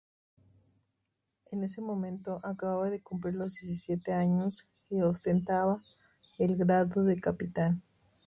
En ese momento acababa cumplir los diecisiete años y ostentaba el grado de capitán.